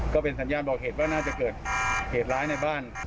ก็เป็นสัญญาณบอกเหตุว่าน่าจะเกิดเหตุร้ายในบ้าน